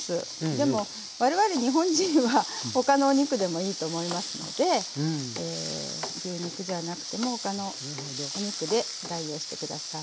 でも我々日本人は他のお肉でもいいと思いますので牛肉じゃなくても他のお肉で代用してください。